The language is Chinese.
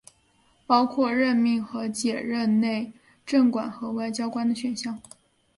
包括任命和解任内政管和外交官的选项。